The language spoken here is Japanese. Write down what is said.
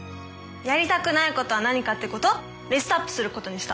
やりたくないことは何かってことリストアップすることにした。